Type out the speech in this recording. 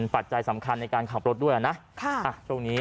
ปัจจัยสำคัญในการขับรถด้วยอ่ะนะค่ะ